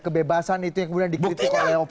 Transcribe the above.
kebebasan itu yang kemudian dikritik oleh